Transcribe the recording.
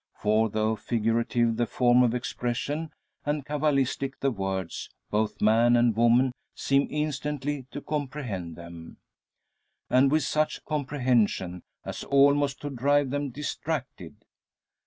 For though figurative the form of expression, and cabalistic the words, both man and woman seem instantly to comprehend them. And with such comprehension, as almost to drive them distracted!